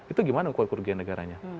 itu gimana ukuran kerugian negaranya